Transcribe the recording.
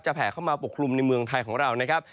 แผ่เข้ามาปกคลุมในเมืองไทยของเรานะครับ